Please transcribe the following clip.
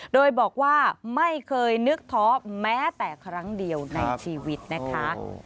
โดยบอกว่าไม่เคยนึกท้อแม้แต่ครั้งเดียวในชีวิตนะคะ